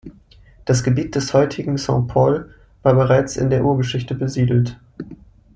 Das Gebiet des heutigen Saint-Pol war bereits in der Urgeschichte besiedelt.